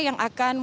yang akan mungkin